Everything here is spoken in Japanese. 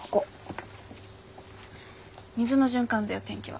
水の循環だよ天気は。